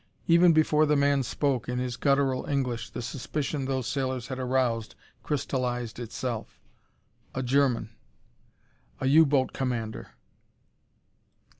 Even before the man spoke, in his guttural English, the suspicion those sailors had aroused crystallized itself. A German! A U boat commander!